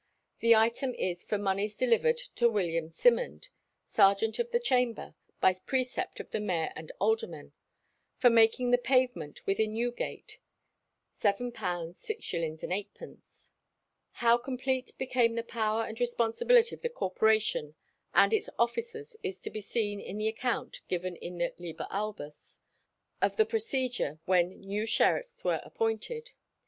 The item is for "moneys delivered to William Simond, sergeant of the chamber, by precept of the mayor and aldermen, for making the pavement within Newgate, £7 6_s._ 8_d._" How complete became the power and responsibility of the Corporation and its officers is to be seen in the account given in the "Liber Albus" of the procedure when new sheriffs were appointed.